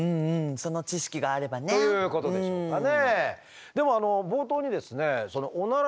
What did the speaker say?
その知識があればね。ということでしょうかね。